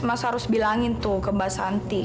mas harus bilangin tuh ke mbak santi